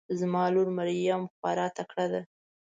زما لور مريم خواره تکړه ده